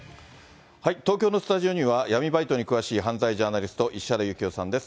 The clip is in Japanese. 東京のスタジオには、闇バイトに詳しい犯罪ジャーナリスト、石原行雄さんです。